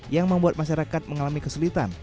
yang membuat masyarakat mengalami kesulitan